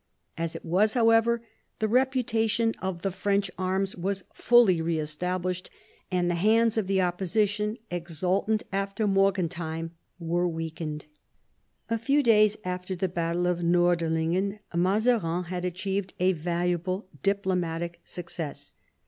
As it was, however, the reputation of the French arms was fully re established, and the hands of the opposition, exultant after Mergentheim, were weakened. A few days after the battle of Nordlingen, Mazarin had achieved a valuable diplomatic success.